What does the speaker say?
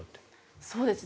そうですね。